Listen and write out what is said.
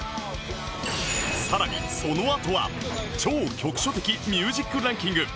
さらにそのあとは超局所的ミュージックランキング